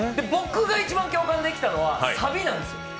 僕が一番共感できたのはサビなんですよ。